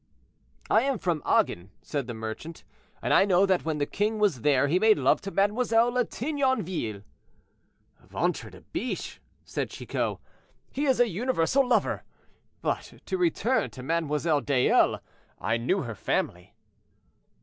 "I am from Agen," said the merchant; "and I know that when the king was there he made love to Mlle. de Tignonville." "Ventre de biche!" said Chicot; "he is a universal lover. But to return to Mlle. Dayelle; I knew her family."